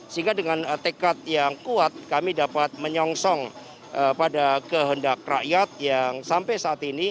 sehingga dengan tekad yang kuat kami dapat menyongsong pada kehendak rakyat yang sampai saat ini